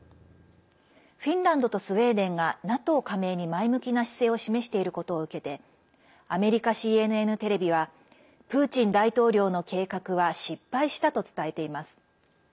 フィンランドとスウェーデンがＮＡＴＯ加盟に前向きな姿勢を示していることを受けてアメリカＣＮＮテレビはプーチン大統領の計画は失敗したと伝えています。